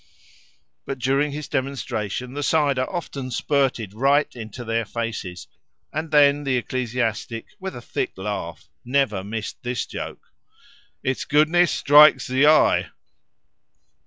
But during his demonstration the cider often spurted right into their faces, and then the ecclesiastic, with a thick laugh, never missed this joke "Its goodness strikes the eye!"